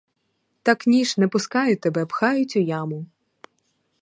Так ні ж, не пускають тебе — пхають у яму.